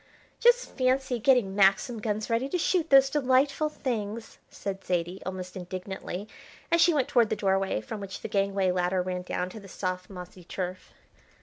"Just fancy getting Maxim guns ready to shoot those delightful things," said Zaidie, almost indignantly, as she went towards the doorway from which the gangway ladder ran down to the soft, mossy turf.